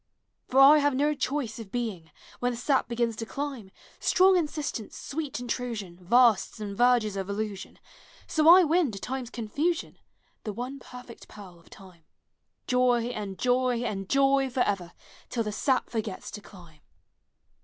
For I have no choice of being, When the sap begins to climb, — Strong insistence, sweet intrusion, Vasts and verges of illusion, — So I win, to time's eonfusion, The one perfect pearl of time, Joy and joy and joy forever, Till the sap forgets to climb!